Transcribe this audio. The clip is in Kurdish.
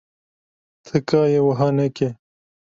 Tika ye wiha neke.